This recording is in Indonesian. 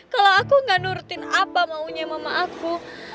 kalau aku gak nurutin apa maunya mama aku